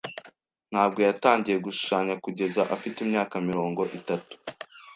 Ntabwo yatangiye gushushanya kugeza afite imyaka mirongo itatu.